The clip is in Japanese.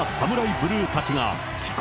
ブルーたちが帰国。